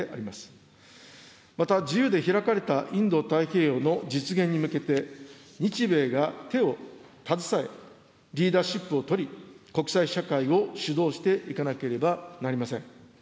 また、自由でひらかれたインド太平洋の実現に向けて、日米が手を携え、リーダーシップを取り、国際社会を主導していかなければなりません。